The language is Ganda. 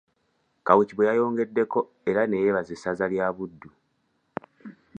Kawuuki bwe yayongeddeko era ne yeebaza essaza lya Buddu.